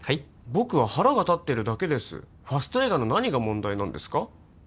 僕は腹が立ってるだけですファスト映画の何が問題なんですか？